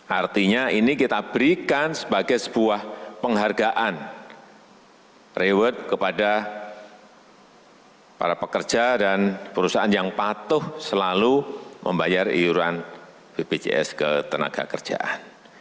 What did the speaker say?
artinya ini kita berikan sebagai sebuah penghargaan reward kepada para pekerja dan perusahaan yang patuh selalu membayar iuran bpjs ketenaga kerjaan